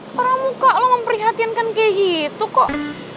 para muka lo memprihatinkan kayak gitu kok